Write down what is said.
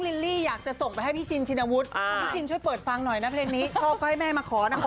ผียาแกล้งให้น้องคอยน้ำ